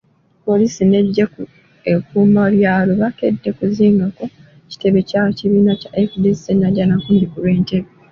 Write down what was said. Poliisi n'eggye ekuumabyalo bakedde kuzingako kitebe kya kibiina kya FDC e Najjanankumbi ku lw'Entebe.